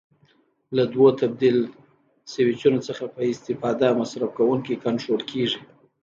له دوو تبدیل سویچونو څخه په استفادې مصرف کوونکی کنټرول کېږي.